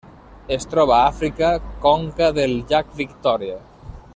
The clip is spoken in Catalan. Es troba a Àfrica: conca del llac Victòria.